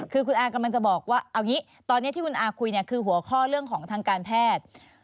คือคุณอากำลังจะบอกว่าเอางี้ตอนนี้ที่คุณอาคุยคือหัวข้อเรื่องของทางการแพทย์